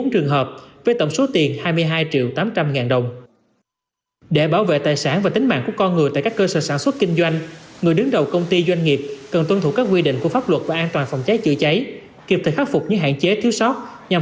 bốn trường hợp với tổng số tiền hai mươi hai triệu tám trăm linh ngàn đồng